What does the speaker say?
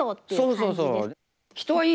そうそうそう。